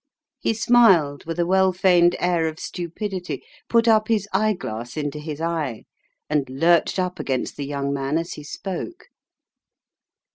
He smiled with a well feigned air of stupidity, put up his eyeglass into his eye, and lurched up against the young man as he spoke.